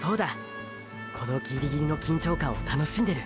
このギリギリの緊張感を楽しんでる！！